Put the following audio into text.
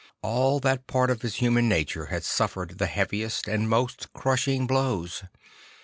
All that part of his human nature had suffered the heavi st and most crushing blo\vs.